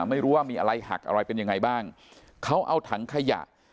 ไม่รู้ว่ามีอะไรหักอะไรเป็นยังไงบ้างเขาเอาถังขยะ